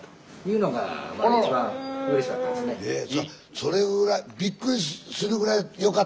それぐらいびっくりするぐらい良かったんですね。